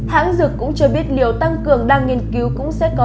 hãng dược cũng cho biết liều tăng cường đang nghiên cứu cũng sẽ có tăng dụng